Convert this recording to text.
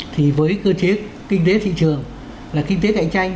thì với cơ chế kinh tế thị trường là kinh tế cạnh tranh